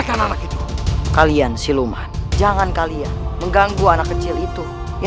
jangan lupa like share dan subscribe ya